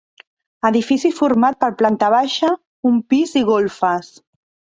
Edifici format per planta baixa, un pis i golfes.